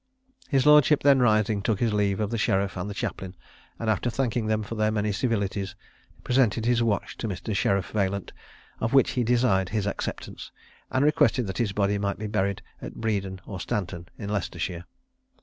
His lordship, then rising, took his leave of the sheriff and the chaplain; and, after thanking them for their many civilities, presented his watch to Mr. Sheriff Vaillant, of which he desired his acceptance; and requested that his body might be buried at Breden or Stanton, in Leicestershire.